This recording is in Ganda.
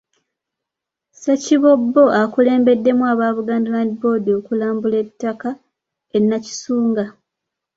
Ssekiboobo akulembeddemu aba Buganda Land Board okulambula ettaka e Nakisunga.